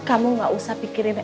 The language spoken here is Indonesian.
kamu gak usah pikirin